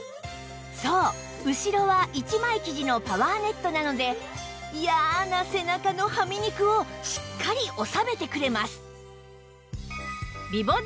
そう後ろは一枚生地のパワーネットなので嫌な背中のはみ肉をしっかり収めてくれます